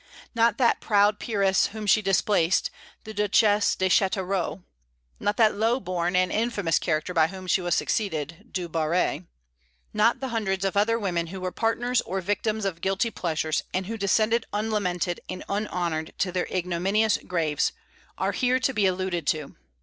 Not that proud peeress whom she displaced, the Duchesse de Châteauroux; not that low born and infamous character by whom she was succeeded, Du Barry; not the hundreds of other women who were partners or victims of guilty pleasures, and who descended unlamented and unhonored to their ignominious graves, are here to be alluded to.